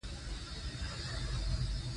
ازادي راډیو د ټولنیز بدلون حالت په ډاګه کړی.